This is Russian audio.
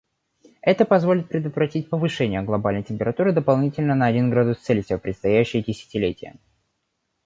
Это позволит предотвратить повышение глобальной температуры дополнительно на один градус Цельсия в предстоящие десятилетия.